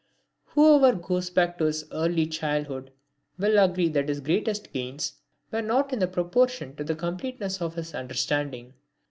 Whoever goes back to his early childhood will agree that his greatest gains were not in proportion to the completeness of his understanding.